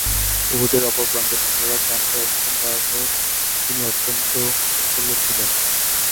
উহুদের অপর প্রান্তে সৈন্যরা ক্যাম্পে অবস্থানকালে তিনি অত্যন্ত উৎফুল্ল ছিলেন।